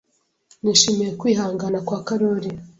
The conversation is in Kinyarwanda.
Nishimiye kwihangana kwa Karoli.